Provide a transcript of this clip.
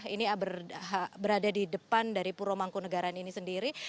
ini berada di depan dari puromangkunegaran ini sendiri